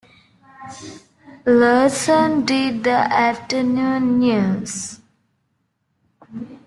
Larson did the afternoon news.